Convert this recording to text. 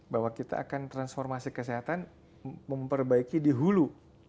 bahwa kita akan transformasi kesehatan memperbaiki di hulu